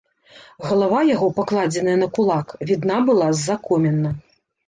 Галава яго, пакладзеная на кулак, відна была з-за коміна.